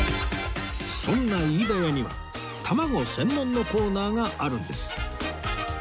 そんな飯田屋には卵専門のコーナーがあるんです